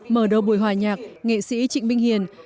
mở đầu buổi hòa nhạc nghệ sĩ trịnh minh hiền